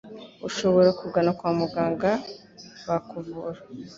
ushobora kugana kwa muganga bakuvura,